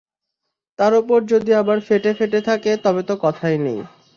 তার ওপর যদি আবার ফেটে ফেটে থাকে, তবে তো কথাই নেই।